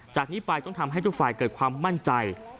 จากนี้ไปต้องทำให้ทุกฝ่ายเกิดความมั่นใจ